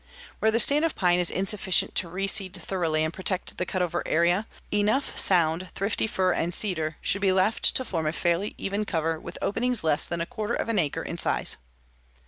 Where the stand of pine is insufficient to reseed thoroughly and protect the cut over area, enough sound, thrifty fir and cedar should be left to form a fairly even cover with openings less than a quarter of an acre in size.'"